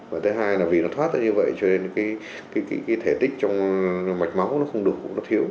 và thứ hai là vì nó thoát ra như vậy cho nên cái thể tích trong mạch máu nó không được cũng nó thiếu